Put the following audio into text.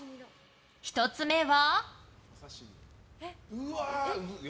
１つ目は。